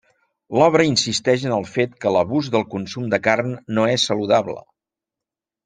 L'obra insisteix en el fet que l'abús del consum de carn no és saludable.